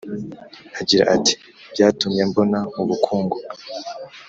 Agira ati byatumye mbona ubukungu